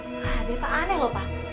nah dia kan aneh lho pa